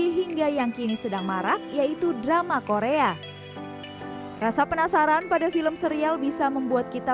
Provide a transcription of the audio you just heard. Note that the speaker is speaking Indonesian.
hingga yang kini sedang marak yaitu drama korea rasa penasaran pada film serial bisa membuat kita